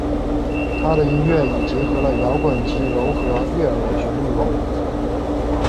她的音乐以结合了摇滚及柔和悦耳的旋律闻名。